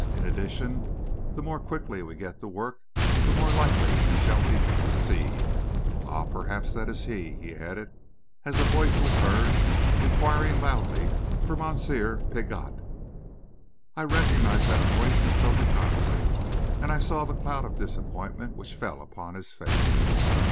In addition, the more quickly we get to work, the more likely we shall be to succeed. Ah! perhaps that is he," he added, as a voice was heard inquiring loudly for Moosseer Piggott. I recognised that voice, and so did Godfrey, and I saw the cloud of disappointment which fell upon his face.